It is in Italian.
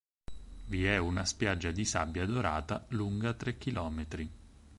Vi è una spiaggia di sabbia dorata lunga tre chilometri.